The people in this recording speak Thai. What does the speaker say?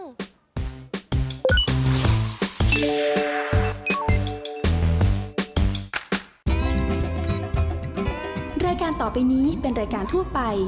แม่บ้านประจำบาน